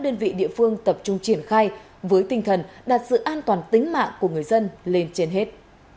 đơn vị địa phương tập trung triển khai với tinh thần đặt sự an toàn tính mạng của người dân lên trên hết